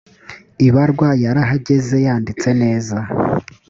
ibarwa yarahageze yanditse neza